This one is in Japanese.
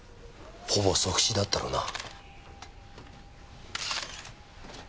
ほぼ即死だったろうな。